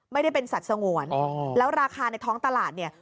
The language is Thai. ไม่ได้เป็นสัตว์สงวนแล้วราคาในท้องตลาดเนี่ย